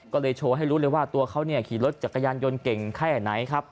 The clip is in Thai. ก็เลยโชว์ให้รู้เลยว่าตัวเขาขี่รถจักรยานยนต์เก่งแค่ไหนครับ